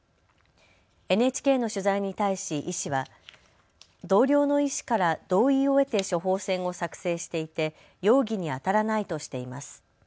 ＮＨＫの取材に対し医師は同僚の医師から同意を得て処方箋を作成していて容疑にあたらないとしています。